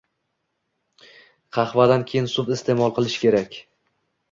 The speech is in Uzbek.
Qahvadan keyin suv iste’mol qilish kerak.